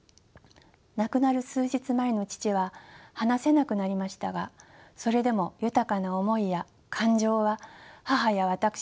亡くなる数日前の父は話せなくなりましたがそれでも豊かな思いや感情は母や私に伝わってきました。